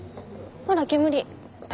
ほら煙。